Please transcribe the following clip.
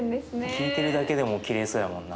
聞いてるだけでもきれいそうやもんな。